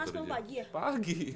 setengah sepuluh pagi ya